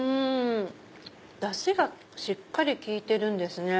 ダシがしっかり効いてるんですね。